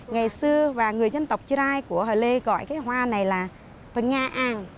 ngày xưa và người dân tộc trai của hồ lê gọi cái hoa này là p nha an